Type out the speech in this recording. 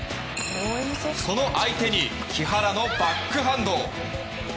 その相手に木原のバックハンド。